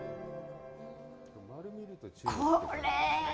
これ！